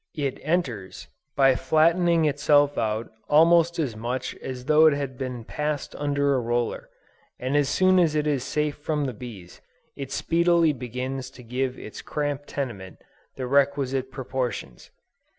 It enters, by flattening itself out almost as much as though it had been passed under a roller, and as soon as it is safe from the bees, it speedily begins to give its cramped tenement, the requisite proportions.